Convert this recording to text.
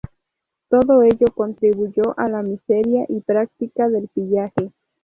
Todo ello contribuyó a la miseria y práctica del pillaje.